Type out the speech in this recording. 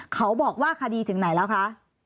เขาบอกว่าคดีถึงไหนแล้วคะ